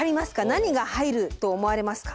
何が入ると思われますか？